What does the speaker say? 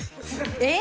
えっ！？